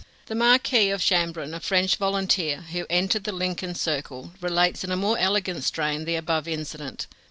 The Marquis of Chambrun, a French volunteer, who entered the Lincoln circle, relates in a more elegant strain the above incident.